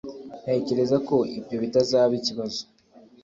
Ntekereza ko ibyo bitazaba ikibazo